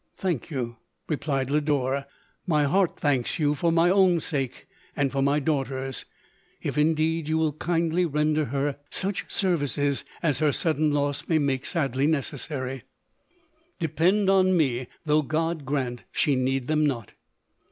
11 " Thank vou !" replied Lodore ;—" my heart thanks vou — for my own sake, and for my daughter's — if indeed you will kindly render her such services as her sudden loss may make sadly necessary.' ," Depend upon me; — though God grant she need them not